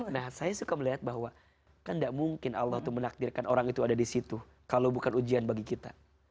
nah saya suka melihat bahwa kan tidak mungkin allah itu menakdirkan orang itu ada di situ kalau bukan ujian bagi kita